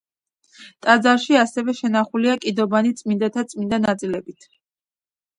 ტაძარში ასევე შენახულია კიდობანი წმინდანთა წმინდა ნაწილებით.